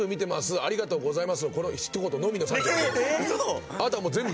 「ありがとうございます」。